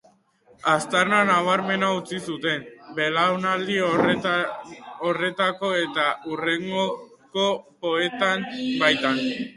Aztarna nabarmena utzi zuten belaunaldi horretako eta hurrengoko poeten baitan.